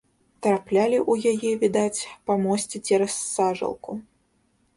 Траплялі ў яе, відаць, па мосце цераз сажалку.